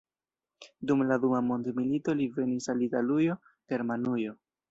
Dum la dua mondmilito li venis al Italujo, Germanujo.